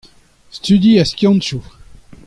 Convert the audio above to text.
Studi ar skiantoù.